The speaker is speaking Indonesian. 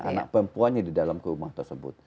anak perempuannya di dalam rumah tersebut